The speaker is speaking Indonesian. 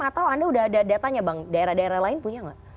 atau anda sudah ada datanya bang daerah daerah lain punya nggak